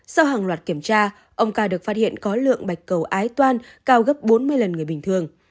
sau hàng loạt kiểm tra ông ca được phát hiện có lượng bạch cầu ái toan cao gấp bốn mươi lần người bình thường